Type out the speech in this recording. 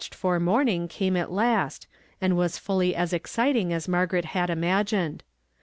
d for inoniinnr runioat last, and was fully as exciting as Margaret Juid imagined.